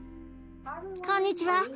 こんにちは。